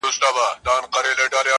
سم په لاره کی اغزی د ستوني ستن سي!.